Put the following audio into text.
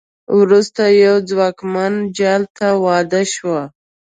وروسته یوه ځواکمن جال ته واده شوه.